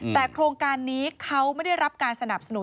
แต่โครงการนี้เขาไม่ได้รับการสนับสนุน